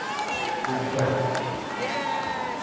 幾點